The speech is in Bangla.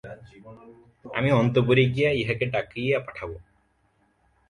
আমি অন্তঃপুরে গিয়া ইহাকে ডাকাইয়া পাঠাইব।